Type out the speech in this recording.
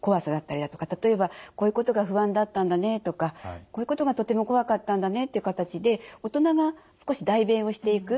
例えばこういうことが不安だったんだねとかこういうことがとても怖かったんだねという形で大人が少し代弁をしていく。